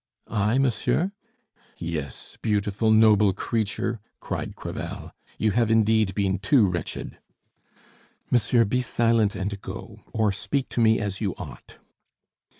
"I, monsieur?" "Yes, beautiful, noble creature!" cried Crevel. "You have indeed been too wretched!" "Monsieur, be silent and go or speak to me as you ought."